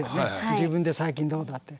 自分で最近どうだって。